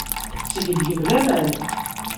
Tetteg deg-m laman.